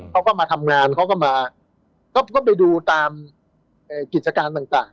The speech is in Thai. เขาก็มาทำงานเขาก็มาก็ไปดูตามกิจการต่าง